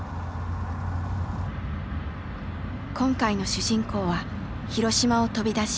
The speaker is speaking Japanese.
今回の主人公は広島を飛び出し